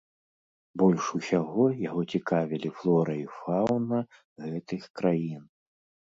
Больш усяго яго цікавілі флора і фаўна гэтых краін.